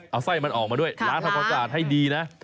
เอาไส้มันออกมาด้วยล้าทะพรตาลให้ดีนะ